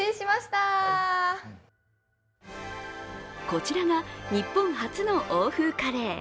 こちらが日本初の欧風カレー。